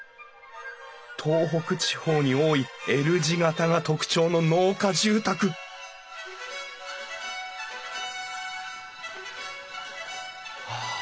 東北地方に多いＬ字形が特徴の農家住宅はあ